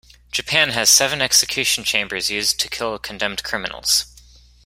Japan has seven execution chambers used to kill condemned criminals.